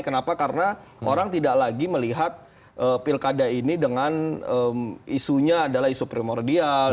kenapa karena orang tidak lagi melihat pilkada ini dengan isunya adalah isu primordial